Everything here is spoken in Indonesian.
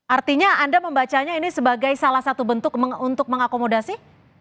artinya anda membacanya ini sebagai salah satu bentuk untuk mengakomodasi